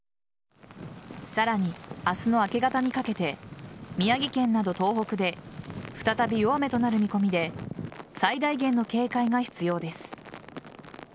さらに、明日の明け方にかけて宮城県など東北で再び大雨となる見込みで最大限の警戒が必要です。